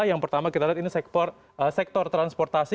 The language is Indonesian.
yang pertama kita lihat ini sektor transportasi